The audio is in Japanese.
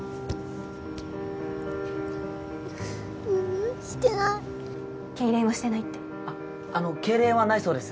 ううんしてないけいれんはしてないってあのけいれんはないそうです